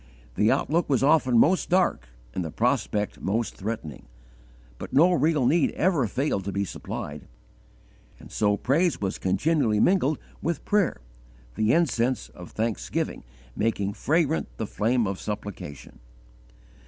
The outlook was often most dark and the prospect most threatening; but no real need ever failed to be supplied: and so praise was continually mingled with prayer, the incense of thanksgiving making fragrant the flame of supplication.